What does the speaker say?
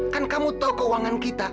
kan kamu tahu keuangan kita